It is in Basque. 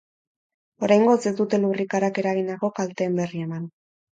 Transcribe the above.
Oraingoz ez dute lurrikarak eragindako kalteen berri eman.